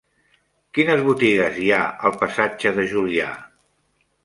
Quines botigues hi ha al passatge de Julià?